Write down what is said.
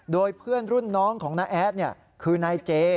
โดยเพื่อนรุ่นน้องของน้าแอดคือนายเจ